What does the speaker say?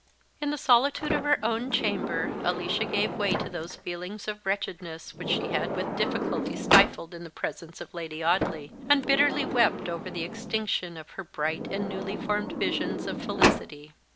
In the solitude of her own chamber Alicia gave way to those feelings of wretchedness which she had with difficulty stifled in the presence of Lady Audley, and bitterly wept over the extinction of her bright and newly formed visions of felicity.